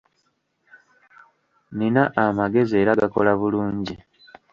Nina amagezi era gakola bulungi.